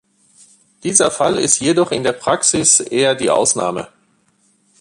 Dieser Fall ist jedoch in der Praxis eher die Ausnahme.